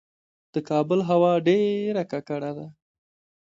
د کابل هوا ډیره ککړه ده